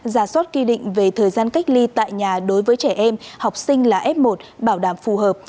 giả soát quy định về thời gian cách ly tại nhà đối với trẻ em học sinh là f một bảo đảm phù hợp